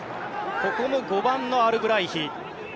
ここも５番のアルブライヒ。